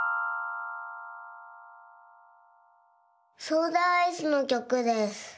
ソーダアイスのきょくです。